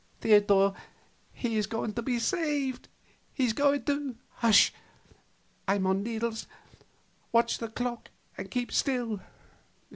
Theodor, he is going to be saved! He's going to " "Hush! I'm on needles. Watch the clock and keep still."